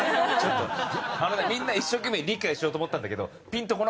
あのねみんな一生懸命理解しようと思ったんだけど。